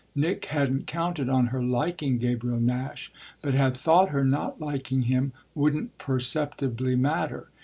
Nick hadn't counted on her liking Gabriel Nash, but had thought her not liking him wouldn't perceptibly matter.